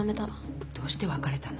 どうして別れたの？